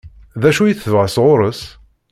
D acu i tebɣa sɣur-s?